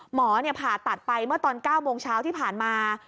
หมอผ่าตัดไปเมื่อตอน๙โมงเช้าที่ผ่านมา